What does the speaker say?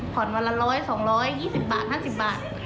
ผ่อนวันละ๑๐๐แบลวัน๒๒๐บาท๕๐บาท